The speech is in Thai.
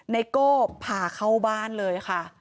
ไโก้พาเข้าบ้านเลยค่ะ